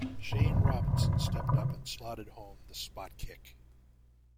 Shane Robinson stepped up and slotted home the spot-kick.